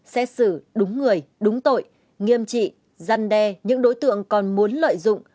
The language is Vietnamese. sẽ xử đúng người đúng tội nghiêm trị dăn đe những đối tượng còn muốn lợi dụng